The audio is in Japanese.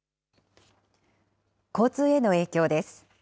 交通への影響です。